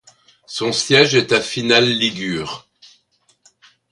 Son siège est à Finale Ligure.